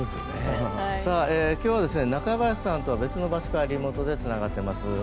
今日は中林さんとは別の場所でリモートでつながっています。